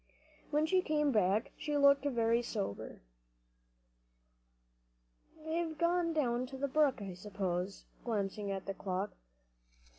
When she came back she looked very sober. "They've gone down to the brook, I suppose," glancing at the clock.